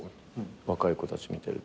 若い子たち見てると。